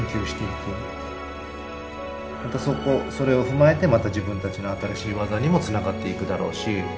またそれを踏まえてまた自分たちの新しい技にもつながっていくだろうし。